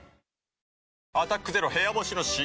新「アタックＺＥＲＯ部屋干し」解禁‼